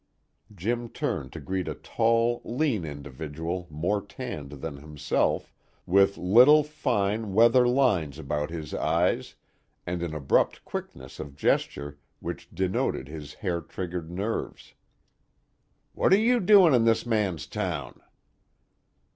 Jim turned to greet a tall, lean individual more tanned than himself, with little, fine, weather lines about his eyes and an abrupt quickness of gesture which denoted his hair triggered nerves. "What are you doing in this man's town?"